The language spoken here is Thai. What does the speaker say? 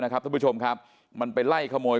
ท่านผู้ชมครับมันไปไล่ขโมย